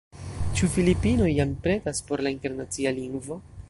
Ĉu Filipinoj jam pretas por la Internacia Lingvo?